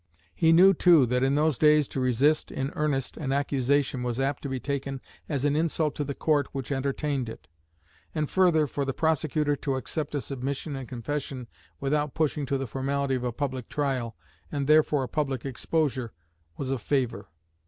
He knew, too, that in those days to resist in earnest an accusation was apt to be taken as an insult to the court which entertained it. And further, for the prosecutor to accept a submission and confession without pushing to the formality of a public trial, and therefore a public exposure, was a favour.